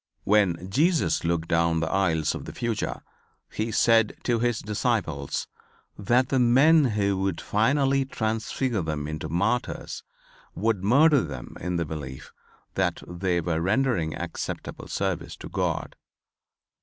When Jesus looked down the aisles of the future, He said to His disciples that the men who would finally transfigure them into martyrs would murder them in the belief that they were rendering acceptable service to God.